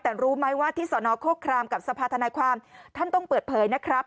แต่รู้ไหมว่าที่สนโครครามกับสภาธนาความท่านต้องเปิดเผยนะครับ